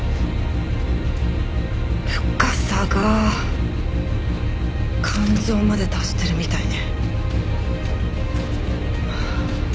深さが肝臓まで達してるみたいね。